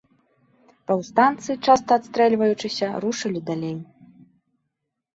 Паўстанцы, часта адстрэльваючыся, рушылі далей.